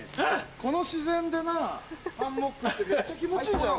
この自然でなぁハンモックってめっちゃ気持ちいいじゃん